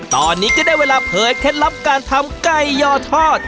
ตอนนี้ก็ได้เวลาเผยเคล็ดลับการทำไก่ยอทอด